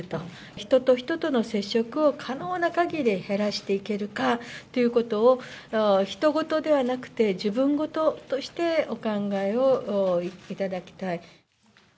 人と人との接触を可能なかぎり減らしていけるかということを、ひと事ではなくて自分ごととしてお考えをいただきたい。